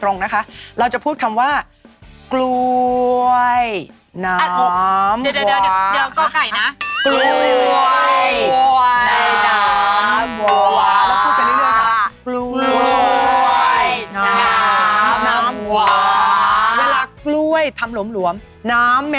น้ำน้ำวาวา